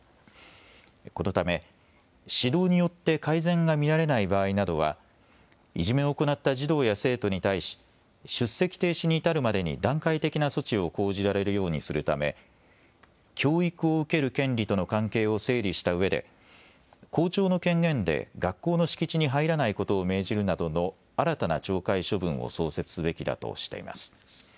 このため、指導によって改善が見られない場合などはいじめを行った児童や生徒に対し出席停止に至るまでに段階的な措置を講じられるようにするため、教育を受ける権利との関係を整理したうえで校長の権限で学校の敷地に入らないことを命じるなどの新たな懲戒処分を創設すべきだとしています。